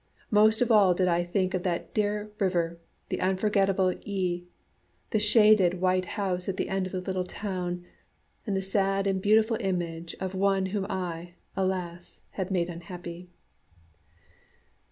Most of all did I think of that dear river, the unforgettable Yí, the shaded white house at the end of the little town, and the sad and beautiful image of one whom I, alas! had made unhappy.